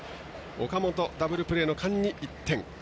岡本、ダブルプレーの間に１点。